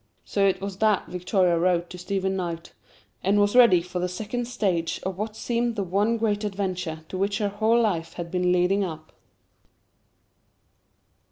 So it was that Victoria wrote to Stephen Knight, and was ready for the second stage of what seemed the one great adventure to which her whole life had been leading up.